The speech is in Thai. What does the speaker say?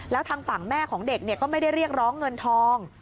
แล้วทางฝั่งแม่ของเด็กก็ไม่ได้เรียกร้องเงินทอง